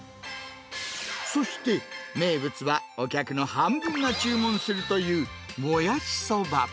そして、名物はお客の半分が注文するというもやしそば。